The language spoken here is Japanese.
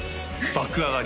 爆上がり